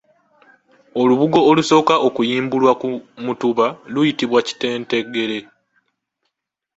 Olubugo olusooka okuyimbulwa ku mutuba luyitibwa kitentegere.